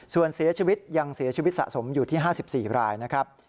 ส่วนเสียชีวิตยังเสียชีวิตสะสมอยู่ที่๕๔รายนะครับ